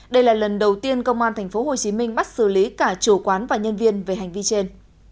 đây là lần đầu tiên công an tp hcm bắt xử lý cả chủ quán và nhân viên về hành vi trên